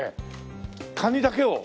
カニだけを？